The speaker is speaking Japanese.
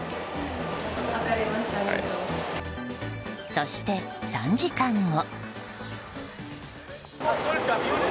そして、３時間後。